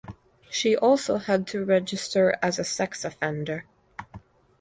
She also had to register as a sex offender.